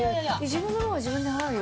自分の分は自分で払うよ。